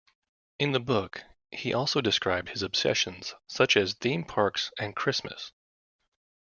In the book, he also describes his obsessions, such as theme parks and Christmas.